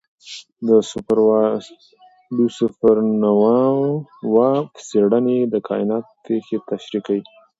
د سوپرنووا څېړنې د کائنات پېښې تشریح کوي.